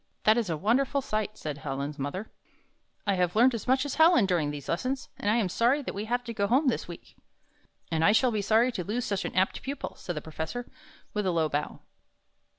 "That is a wonderful sight," said Helen's mother. "I have learned as much as Helen 48 I found this on. 49 during these lessons, and I am sorry that we have to go home this week." "And I shall be sorry to lose such an apt pupil," said the professor, with a low bow.